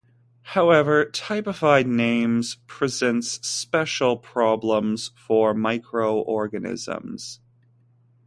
However, typified names presents special problems for microorganisms.